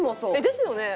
ですよね！